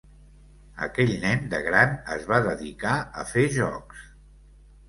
Aquell nen de gran es va dedicar a fer jocs.